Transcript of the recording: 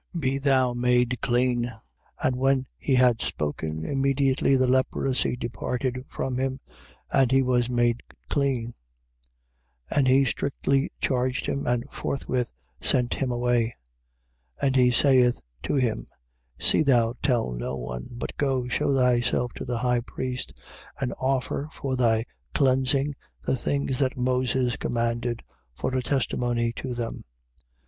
Be thou made clean. 1:42. And when he had spoken, immediately the leprosy departed from him: and he was made clean. 1:43. And he strictly charged him and forthwith sent him away. 1:44. And he saith to him: See thou tell no one; but go, shew thyself to the high priest and offer for thy cleansing the things that Moses commanded, for a testimony to them.